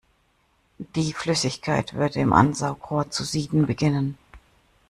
Die Flüssigkeit würde im Ansaugrohr zu sieden beginnen.